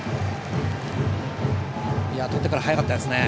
とってから速かったですね。